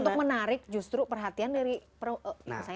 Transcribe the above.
untuk menarik justru perhatian dari laki laki lain